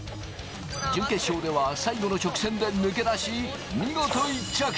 準決勝では最後の直線で抜け出し、見事１着。